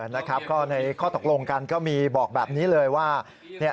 นะครับก็ในข้อตกลงกันก็มีบอกแบบนี้เลยว่า